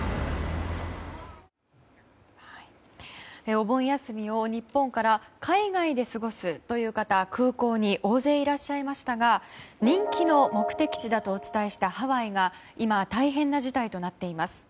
お盆休みを日本から海外で過ごすという方空港に大勢いらっしゃいましたが人気の目的地だとお伝えしたハワイが今、大変な事態となっています。